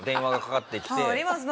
あります。